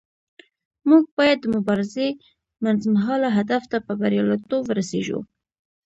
موږ باید د مبارزې منځمهاله هدف ته په بریالیتوب ورسیږو.